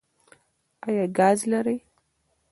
ایا ګاز لرئ؟